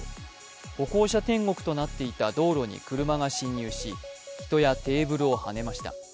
歩行者天国となっていた道路に車が侵入し、人やテーブルをはねました。